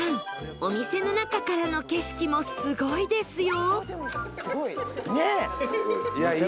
お店の中からの景色もすごいですよ